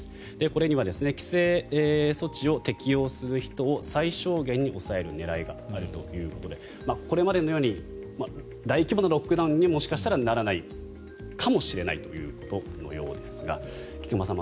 これには規制措置を適用する人を最小限に抑える狙いがあるということでこれまでのように大規模なロックダウンにもしかしたらならないかもしれないということのようですが菊間さん